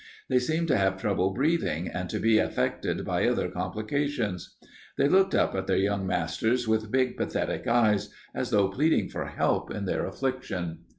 They seemed to have trouble breathing and to be affected by other complications. They looked up at their young masters with big, pathetic eyes, as though pleading for help in their affliction.